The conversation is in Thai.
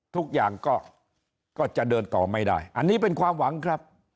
ทุกอย่างก็จะเดินต่อไม่ได้อันนี้เป็นความหวังครับ